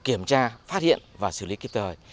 kiểm tra phát hiện và xử lý kịp thời